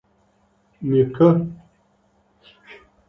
نيکه